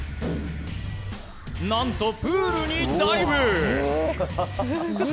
何と、プールにダイブ。